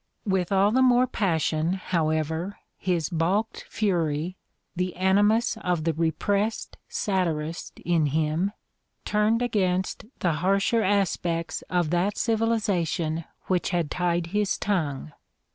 With all the more passion, however, his balked fury, the animus of the repressed satirist in him, turned against the harsher aspects of that civilization which had tied his tongue.